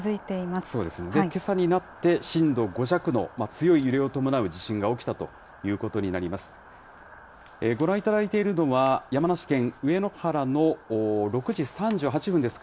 けさになって震度５弱の強い揺れを伴う地震が起きたということになります。